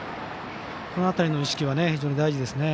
この辺りの意識は非常に大事です。